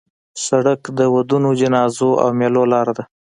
سړک د ودونو، جنازو او میلو لاره ده.